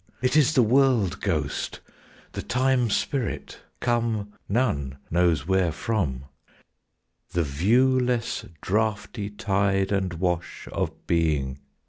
It is the world ghost, the time spirit, come None knows where from, The viewless draughty tide And wash of being.